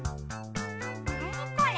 なにこれ？